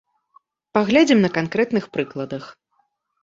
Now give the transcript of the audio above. Паглядзім на канкрэтных прыкладах.